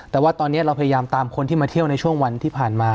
แต่ว่าตอนนี้เราพยายามตามคนที่มาเที่ยวในช่วงวันที่ผ่านมา